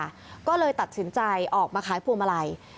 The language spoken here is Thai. เพื่อตัดสินใจออกมาขายภูมิมาลัย